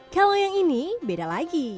kalau yang ini beda lagi